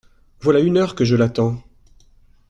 Voilà une heure que je l’attends…